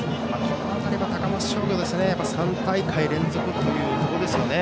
この辺り、高松商業３大会連続というところですね。